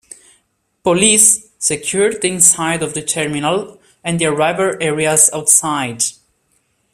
Police secured the inside of the terminal and the arrival areas outside.